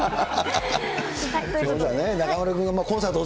中丸君、コンサート